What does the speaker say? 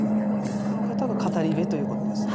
この方が語り部ということですね。